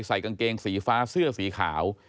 ใส่กางเกงสีฟ้าเสื้อสีขาว